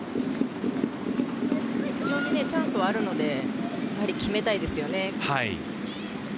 チャンスはあるので、やはり決めたいですよね。